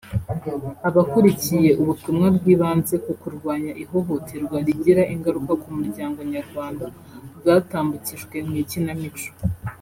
Abakurikiye ubutumwa bwibanze ku kurwanya ihohoterwa rigira ingaruka ku muryango Nyarwanda bwatambukijwe mu ikinamico